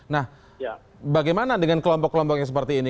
nah bagaimana dengan kelompok kelompok yang seperti ini